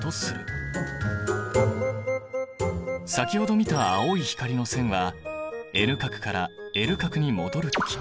先ほど見た青い光の線はＮ殻からＬ殻に戻る時。